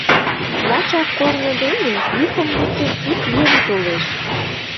Лачак корно дене, йӱкым луктын, ик еҥ толеш.